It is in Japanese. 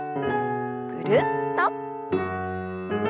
ぐるっと。